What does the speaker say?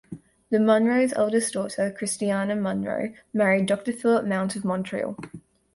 The Munro's eldest daughter, Christiana Munro, married Doctor Phillip Mount of Montreal.